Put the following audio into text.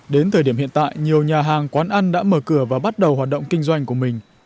đến thời điểm hiện tại nhiều nhà hàng quán ăn đã mở cửa và bắt đầu hoạt động kinh doanh của mình